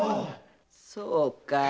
そうかい。